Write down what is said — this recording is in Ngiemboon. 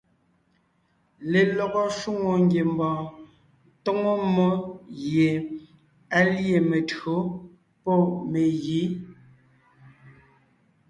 Lelɔgɔ shwòŋo ngiembɔɔn tóŋo mmó gie á lîe mentÿǒ pɔ́ megǐ.